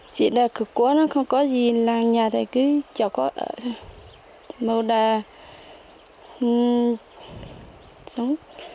chị là cực quốc không có gì là nhà này cứ chẳng có màu đà sống